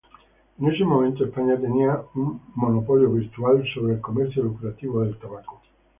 En ese momento, España tenía un virtual monopolio sobre el comercio lucrativo del tabaco.